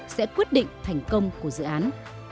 sẽ quyết định thành công của dự án